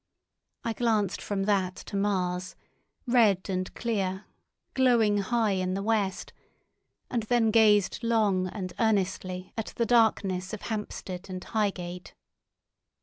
I glanced from that to Mars, red and clear, glowing high in the west, and then gazed long and earnestly at the darkness of Hampstead and Highgate.